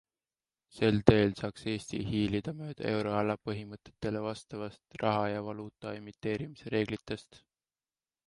Sel teel saaks Eesti hiilida mööda euroala põhimõtetele vastavast raha ja valuuta emiteerimise reeglitest.